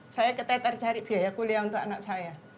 saya keteter cari biaya kuliah untuk anak saya